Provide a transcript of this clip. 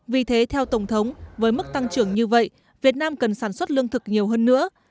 vì thế theo tổng thống với mức tăng trưởng như vậy việt nam cần sản xuất lương thực nhiều hơn nữa